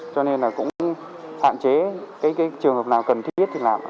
cho nên là cũng hạn chế cái trường hợp nào cần thiết thì làm